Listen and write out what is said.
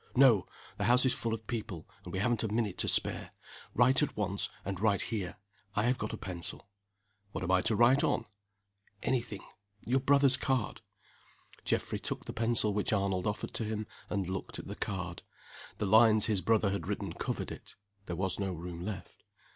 "No. The house is full of people, and we haven't a minute to spare. Write at once, and write here. I have got a pencil." "What am I to write on?" "Any thing your brother's card." Geoffrey took the pencil which Arnold offered to him, and looked at the card. The lines his brother had written covered it. There was no room left.